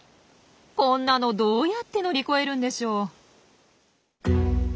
こんなのどうやって乗り越えるんでしょう。